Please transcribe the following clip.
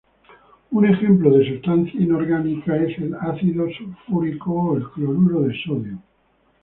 Un ejemplo de sustancia inorgánica es el ácido sulfúrico o el cloruro de sodio.